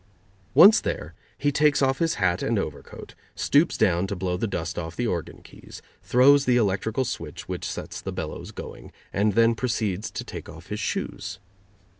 Once there, he takes off his hat and overcoat, stoops down to blow the dust off the organ keys, throws the electrical switch which sets the bellows going, and then proceeds to take off his shoes.